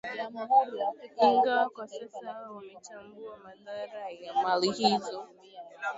ingawa kwa sasa wametambua madhara ya mila hizo